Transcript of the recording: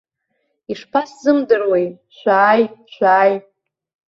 Ишԥасзымдыруеи, шәааи, шәааи.